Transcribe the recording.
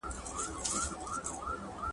هغه لاس دي مات سي چي لاسونه د منظور تړي !.